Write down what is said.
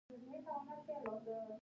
شريف په اوږه کې چوخ کړ.